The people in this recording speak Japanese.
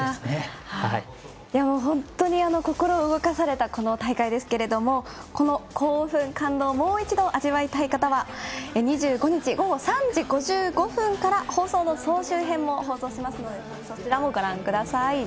心を動かされた大会ですけれどもこの興奮、感動をもう一度味わいたい方は２５日、午後３時５５分から放送の総集編も放送しますのでそちらもご覧ください。